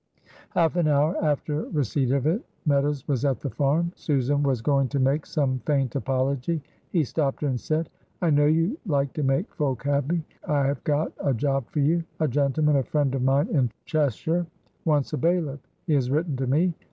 Half an hour after receipt of it Meadows was at the farm. Susan was going to make some faint apology. He stopped her and said: "I know you like to make folk happy. I have got a job for you. A gentleman, a friend of mine in Cheshire, wants a bailiff. He has written to me.